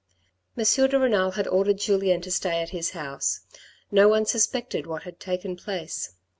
M. de Renal had ordered Julien to stay at his house. No one suspected what had taken place.